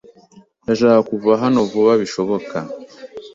Ndashaka kuva hano vuba bishoboka.